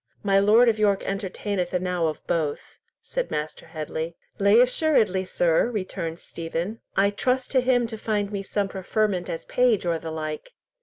My Lord of York entertaineth enow of both," said Master Headley. "Lay assuredly, sir," returned Stephen; "I trust to him to find me some preferment as page or the like."